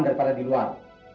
daripada di luar